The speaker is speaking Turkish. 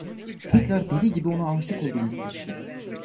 Tekrar deli gibi ona aşık olduğumu hissettim.